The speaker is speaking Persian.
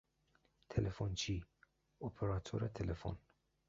تلفنچی، اپراتور تلفن